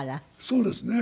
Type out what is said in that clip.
そうですね。